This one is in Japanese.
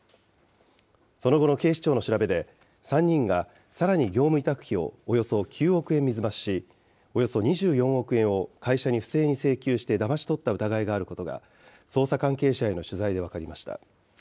その後の警視庁の調べで、３人はさらに業務委託費をおよそ９億円水増しし、およそ２４億円を会社に不正に請求してだまし取った疑いがあることが、捜査関係者への取材で分かりました。